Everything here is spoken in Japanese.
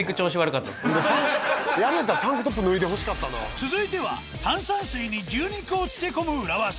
続いては炭酸水に牛肉を漬け込む裏技